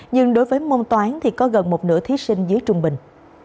nhưng đối với môn toán thì có gần một nửa thí sinh dưới trung bình